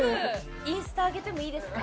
インスタあげてもいいですか？